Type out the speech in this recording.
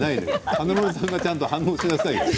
華丸さんちゃんと反応しなさいよ。